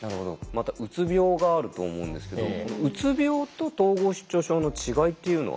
またうつ病があると思うんですけどうつ病と統合失調症の違いっていうのは？